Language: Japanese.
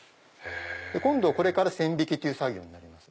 今度これから線引きっていう作業になります。